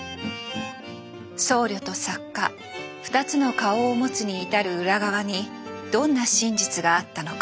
僧侶と作家２つの顔を持つに至る裏側にどんな真実があったのか。